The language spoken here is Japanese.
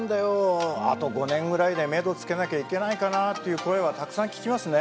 あと５年ぐらいでめどつけなきゃいけないかなっていう声はたくさん聞きますね。